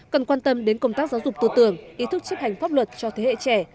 cần quan tâm đến công tác giáo dục tư tưởng ý thức chấp hành pháp luật cho thế hệ trẻ